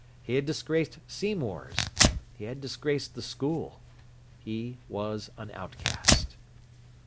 He had disgraced Seymour's. He had disgraced the school. He was an outcast.